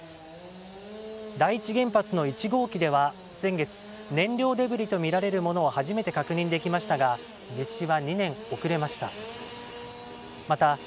第一原発の１号機では先月燃料デブリとみられるものを初めて確認できましたが実施は２年遅れました。